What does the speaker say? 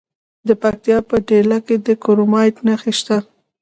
د پکتیکا په دیله کې د کرومایټ نښې شته.